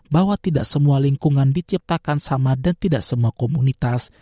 bahwa tidak semua lingkungan diciptakan sama dan tidak semua komunitas